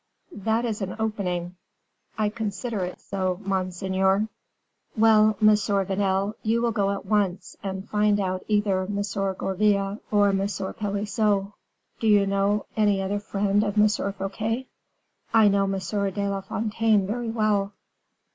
'" "That is an opening." "I considered it so, monseigneur." "Well, Monsieur Vanel, you will go at once, and find out either M. Gourville or M. Pelisson. Do you know any other friend of M. Fouquet?" "I know M. de la Fontaine very well."